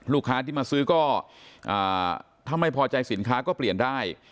ลูกค้าที่มาซื้อก็ถ้าไม่พอใจสินค้าก็เปลี่ยนได้